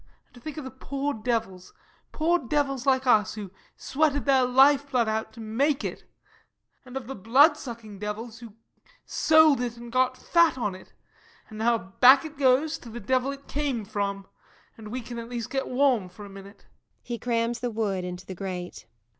And to think of the poor devils, poor devils like us, who sweated their life blood out to make it and of the blood sucking devils who sold it and got fat on it and now back it goes to the devil it came from, and we can at least get warm for a minute. [_He crams the wood into the grate.